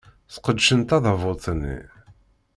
Sqedcen tadabut-nni.